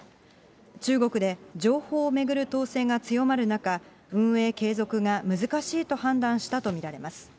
中国で、情報を巡る統制が強まる中、運営継続が難しいと判断したと見られます。